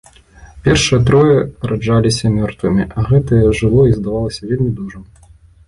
Першыя трое раджаліся мёртвымі, а гэтае жыло і здавалася вельмі дужым.